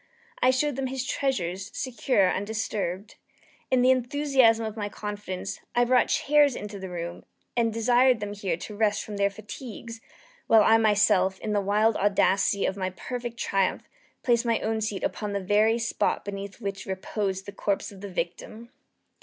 I showed them his treasures, secure, undisturbed. In the enthusiasm of my confidence, I brought chairs into the room, and desired them here to rest from their fatigues, while I myself, in the wild audacity of my perfect triumph, placed my own seat upon the very spot beneath which reposed the corpse of the victim.